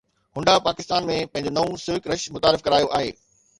Honda Pakistan ۾ پنهنجو نئون Civic rush متعارف ڪرايو آهي